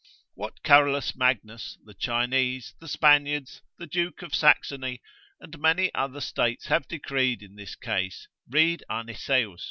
What Carolus Magnus, the Chinese, the Spaniards, the duke of Saxony and many other states have decreed in this case, read Arniseus, cap.